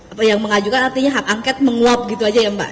atau yang mengajukan artinya hak angket menguap gitu aja ya mbak